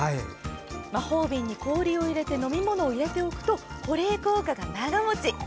魔法瓶に氷を入れて飲み物を入れておくと保冷効果が長持ち！